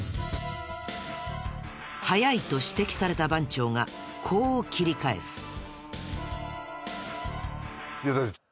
早いと指摘された番長がこう切り返す。